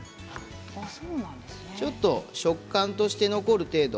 ちょっと食感として残る程度。